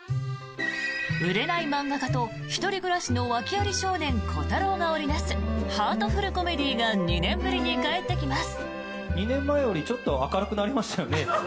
売れない漫画家と１人暮らしの訳あり少年コタローが織りなすハートフルコメディーが２年ぶりに帰ってきます。